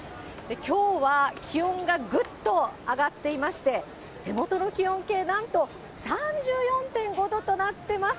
きょうは気温がぐっと上がっていまして、手元の気温計、なんと３４．５度となってます。